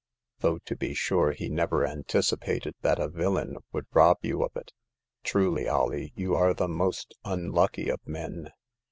Though, to be sure, he never anticipated that a villain would rob you of it. Truly, Alee, you are the most unlucky of men